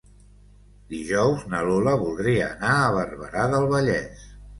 Dijous na Lola voldria anar a Barberà del Vallès.